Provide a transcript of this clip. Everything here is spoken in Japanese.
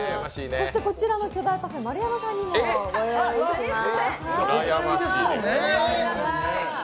そしてこちらの巨大パフェ丸山さんにもご用意しています。